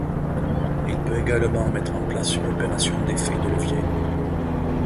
Il peut également mettre en place une opération d’effet de levier.